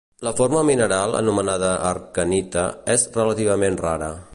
La forma mineral, anomenada arcanita, és relativament rara.